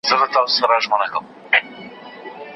ام سلطان د تخمدان سرطان درلود.